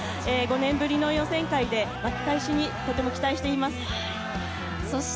５年ぶりの予選会で巻き返しにとても期待しています。